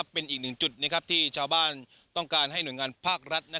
เป็นอีกหนึ่งจุดที่ชาวบ้านต้องการให้หน่วยงานภาครัฐ